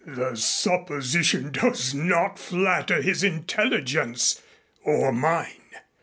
"The supposition does not flatter his intelligence or mine.